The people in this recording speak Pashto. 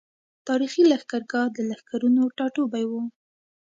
تاريخي لښکرګاه د لښکرونو ټاټوبی وو۔